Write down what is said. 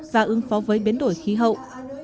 và ứng phó với biến đổi khí hậu